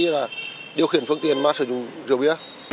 như là điều khiển phương tiện mà sử dụng rượu bia